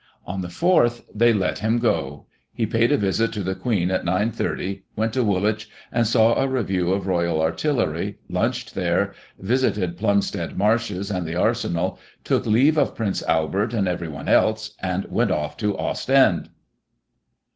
On the 4th they let him go — he paid a visit to the Queen at 9.30, went to Woolwich and saw a review of Royal Artillery, lunched there, visited Plumstead Marshes and the Arsenal, took leave of Prince Albert, and everyone else, and went off to Ostend.